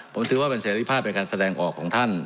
ผมถือว่าเป็นเสรีภาพในการแสดงออกของท่าน